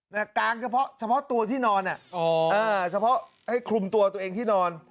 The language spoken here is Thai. เนี่ยกางเฉพาะเฉพาะตัวที่นอนอ่ะอ๋ออ่าเฉพาะให้คลุมตัวตัวเองที่นอน